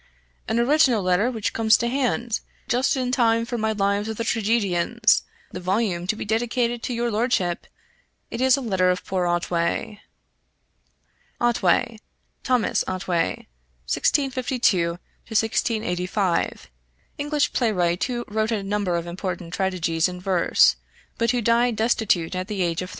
"An original letter which comes to hand, just in time for my lives of the tragedians the volume to be dedicated to your lordship it is a letter of poor Otway." {Otway = Thomas Otway (1652 1685), English playwright who wrote a number of important tragedies in verse, but who died destitute at the age of 33.